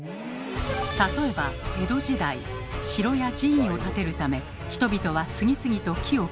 例えば江戸時代城や寺院を建てるため人々は次々と木を切っていきました。